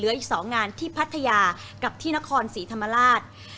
อีก๒งานที่พัทยากับที่นครศรีธรรมราช